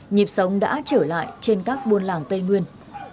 nhịp sống đã trở lại trên các buôn làng tây nguyên